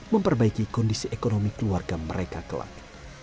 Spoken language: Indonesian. memperbaiki kondisi ekonomi keluarga mereka kelak